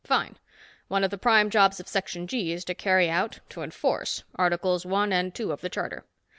"Fine. One of the prime jobs of Section G is to carry out, to enforce, Articles One and Two of the Charter.